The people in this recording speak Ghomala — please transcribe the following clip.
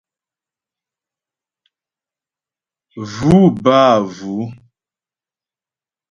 Vʉ̂ bə́ â vʉ̌.